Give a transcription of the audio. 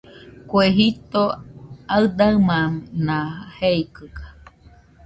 Kue jito aɨdaɨmana jeikɨga